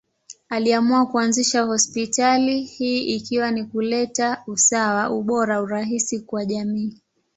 Aliamua kuanzisha hospitali hii ikiwa ni kuleta usawa, ubora, urahisi kwa jamii.